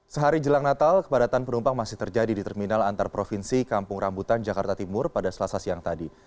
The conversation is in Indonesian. sehari jelang natal kepadatan penumpang masih terjadi di terminal antar provinsi kampung rambutan jakarta timur pada selasa siang tadi